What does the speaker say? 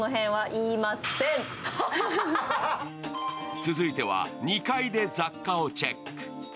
続いては２階で雑貨をチェック。